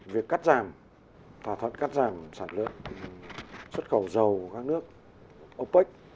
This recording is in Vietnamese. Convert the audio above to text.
việc cắt giảm thỏa thuận cắt giảm sản lượng xuất khẩu dầu của các nước opec